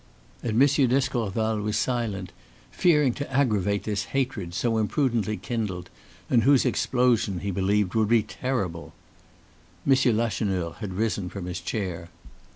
And M. d'Escorval was silent, fearing to aggravate this hatred, so imprudently kindled, and whose explosion, he believed, would be terrible. M. Lacheneur had risen from his chair.